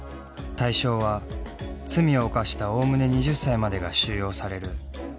対象は罪を犯したおおむね２０歳までが収容される全国の少年院。